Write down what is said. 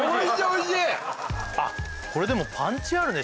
これでもパンチあるね